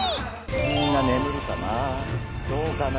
みんな眠るかな？